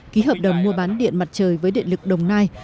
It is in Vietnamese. ký hợp đồng mua bán điện mặt trời với điện lực đồng nai